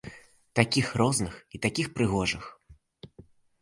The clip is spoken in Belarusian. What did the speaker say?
Такіх розных і такіх прыгожых.